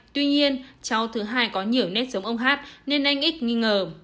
tuy nhiên cháu thứ hai có nhiều nét giống ông hát nên anh ích nghi ngờ